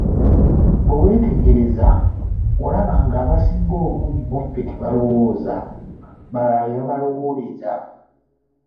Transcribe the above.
Bwe wetegereze, olaba ng'abasinga obungi mu ffe tebalowooza, balala be babalowooleza.